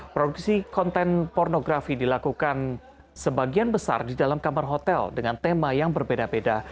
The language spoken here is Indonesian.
produksi konten pornografi dilakukan sebagian besar di dalam kamar hotel dengan tema yang berbeda beda